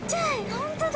本当だ！